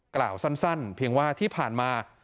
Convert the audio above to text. กล่าวสั้นเพียงว่าที่ผ่านมา